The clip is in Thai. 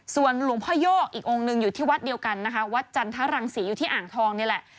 ส่วนหลวงพ่อโยกอีกองค์หนึ่งอยู่ที่วัดเดียวกันนะคะวัดจันทรังศรีอยู่ที่อ่างทองนี่แหละ